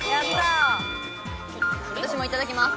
私もいただきます。